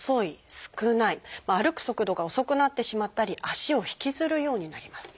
歩く速度が遅くなってしまったり足を引きずるようになります。